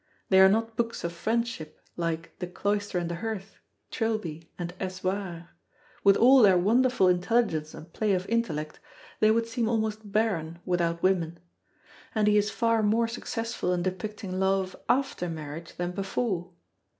They are not books of Friendship, like The Cloister and the Hearth, Trilby, and Es War; with all their wonderful intelligence and play of intellect, they would seem almost barren without women. And he is far more successful in depicting love after marriage than before.